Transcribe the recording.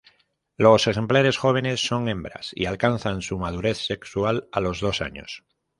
Los ejemplares jóvenes son hembras y alcanzan su madurez sexual a los dos años.